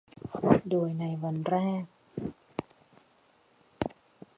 โดยในวันแรก